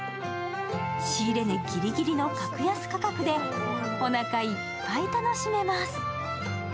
仕入れ値ギリギリの格安価格で、おなかいっぱい楽しめます。